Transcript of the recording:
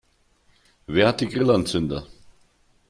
Wer hat die Grillanzünder?